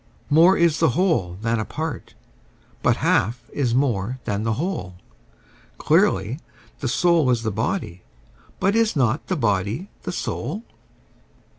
More is the whole than a part: but half is more than the whole: Clearly, the soul is the body: but is not the body the soul?